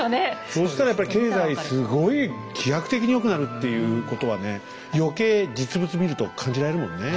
そうしたらやっぱり経済すごい飛躍的に良くなるっていうことはね余計実物見ると感じられるもんね。